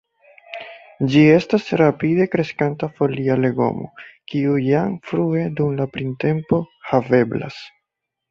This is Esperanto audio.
Ĝi estas rapide kreskanta folia legomo, kiu jam frue dum la printempo haveblas.